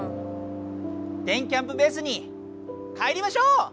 電キャんぷベースに帰りましょう。